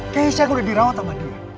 keisha yang udah dirawat sama dia